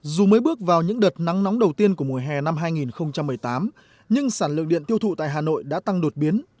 dù mới bước vào những đợt nắng nóng đầu tiên của mùa hè năm hai nghìn một mươi tám nhưng sản lượng điện tiêu thụ tại hà nội đã tăng đột biến